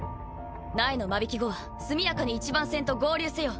苗の間引き後は速やかに一番船と合流せよ。